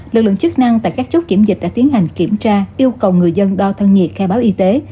lực lượng chức năng tại các chốt kiểm dịch đã tiến hành kiểm tra yêu cầu người dân đo thân nhiệt khai báo y tế